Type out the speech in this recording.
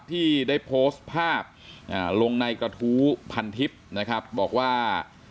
ที่ได้โพสต์ภาพลงในกระทู้พันทิพย์นะครับบอกว่า